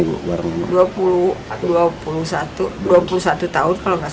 dua puluh dua puluh satu dua puluh satu tahun kalau gak salah